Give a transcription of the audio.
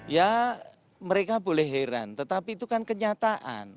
ya mereka boleh heran tetapi itu kan kenyataan